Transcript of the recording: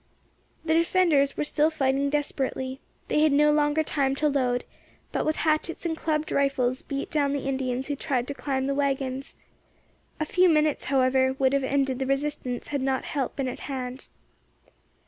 The defenders were still fighting desperately. They had no longer time to load, but with hatchets and clubbed rifles beat down the Indians who tried to climb the waggons. A few minutes, however, would have ended the resistance had not help been at hand.